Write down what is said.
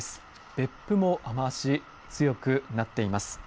別府も雨足が強くなっています。